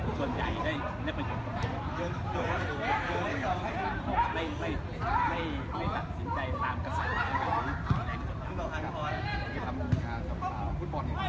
ไม่ได้ก็ไม่ได้ไม่ได้ไม่ได้ไม่ได้ไม่ได้เข้าสิ้นใจข้ามที่